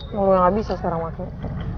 mau yang abis ya sekarang makainya